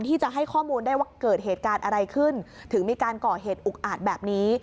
ที่จะให้ข้อมูลได้ว่าเกิดเหตุการณ์อะไรขึ้นถึงมีการก่อเหตุอุกอาจแบบนี้